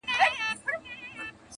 • غوجله لا هم خاموشه ده ډېر,